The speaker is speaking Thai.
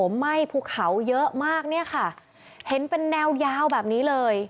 ไฟเซลมไคปูเขาเยอะมากเนี่ยค่ะเห็นเป็นแนวยาวแบบนี้